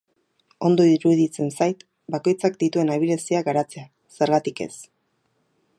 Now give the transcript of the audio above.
Ondo iruditzen zait bakoitzak dituen abileziak garatzea, zergatik ez.